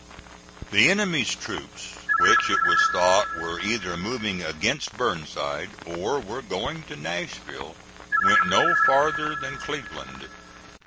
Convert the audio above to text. The enemy's troops, which it was thought were either moving against Burnside or were going to Nashville, went no farther than Cleveland.